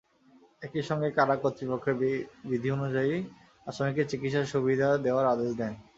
একই সঙ্গে কারা কর্তৃপক্ষকে বিধি অনুযায়ী আসামিকে চিকিৎসা সুবিধা দেওয়ার আদেশ দেন।